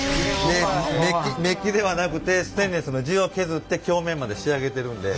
でメッキではなくてステンレスの地を削って表面まで仕上げてるんで。